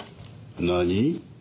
何？